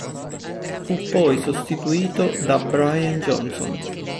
Fu poi sostituito da Brian Johnson.